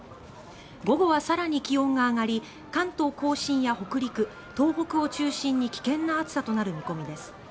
午後は更に気温が上がり関東・甲信や北陸、東北を中心に危険な暑さとなる見込みです。